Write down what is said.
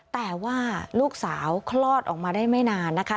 แต่ว่าลูกสาวคลอดออกมาได้ไม่นานนะคะ